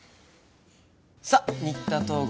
さっ新田東郷